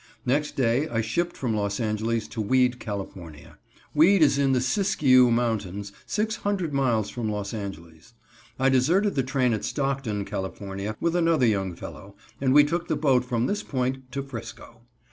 Next day I shipped from Los Angeles to Weed, Cal. Weed is in the Siskiyou Mountains, six hundred miles from Los Angeles. I deserted the train at Stockton, Cal., with another young fellow, and we took the boat from this point to 'Frisco.